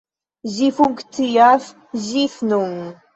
Ĝi funkcias ĝis nun.